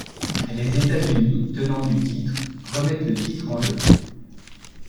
Les États-Unis, tenants du titre, remettent le titre en jeu.